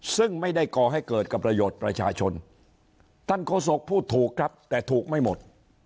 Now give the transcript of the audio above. ซึ่งไม่ได้ก่อให้เกิดกับประโยชน์ประชาชนท่านโฆษกพูดถูกครับแต่ถูกไม่หมด